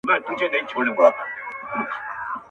خپلي خبري خو نو نه پرې کوی.